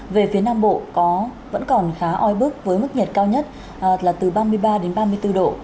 về phía nam bộ vẫn còn khá oi bức với mức nhiệt cao nhất là từ ba mươi ba đến ba mươi bốn độ